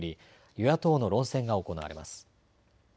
与野党の論戦が行われます。